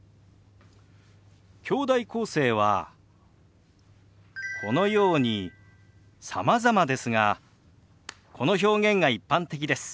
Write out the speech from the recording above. きょうだい構成はこのようにさまざまですがこの表現が一般的です。